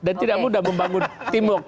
dan tidak mudah membangun teamwork